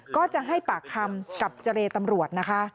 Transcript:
ก็จะให้ปากคำกับเจรตำรวจนะคะ